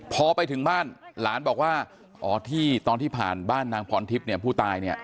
พอไปถึงบ้านหลานบอกว่าอ๋อที่ตอนที่ผ่านบ้านนางพรทิพย์เนี่ยผู้ตายเนี่ย